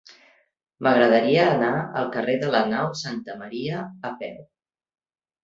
M'agradaria anar al carrer de la Nau Santa Maria a peu.